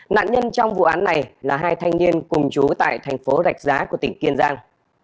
nạn nhân trong vụ án này là hai thanh niên cùng chú tại thành phố rạch giá của tỉnh kiên giang